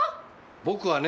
僕はね